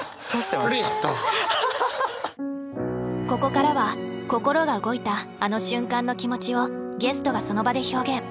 ここからは心が動いたあの瞬間の気持ちをゲストがその場で表現。